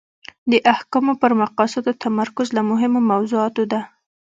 د احکامو پر مقاصدو تمرکز له مهمو موضوعاتو ده.